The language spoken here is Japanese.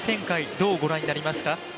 どうご覧になりますか。